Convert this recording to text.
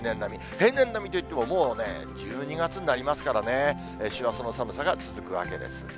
平年並みといってもね、１２月になりますからね、師走の寒さが続くわけです。